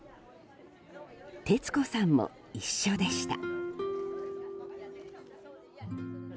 徹子さんも一緒でした。